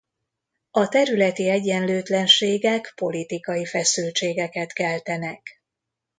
A területi egyenlőtlenségek politikai feszültségeket keltenek.